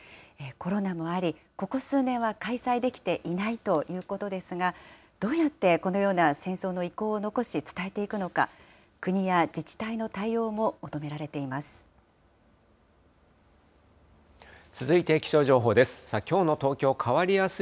コロナもあり、ここ数年は開催できていないということですが、どうやってこのような戦争の遺構を残し伝えていくのか、国や自治体続いて気象情報です。